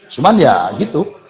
cuman ya gitu